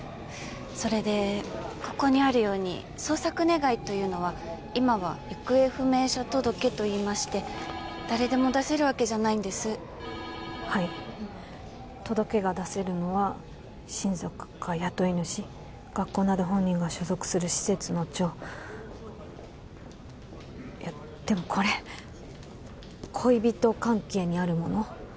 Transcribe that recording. それでここにあるように捜索願というのは今は行方不明者届といいまして誰でも出せるわけじゃないんですはい届けが出せるのは親族か雇い主学校など本人が所属する施設の長いやでもこれ恋人関係にある者